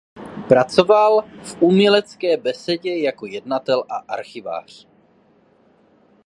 Pracoval v Umělecké besedě jako jednatel a archivář.